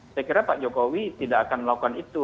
saya kira pak jokowi tidak akan melakukan itu